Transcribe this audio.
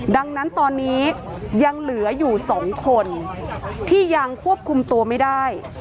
ดังนั้นตอนนี้ยังเหลืออยู่๒คนที่ยังควบคุมตัวไม่ได้